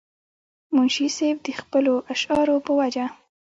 منشي صېب د خپلو اشعارو پۀ وجه